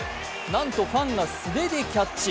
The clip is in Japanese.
なんとファンが素手でキャッチ。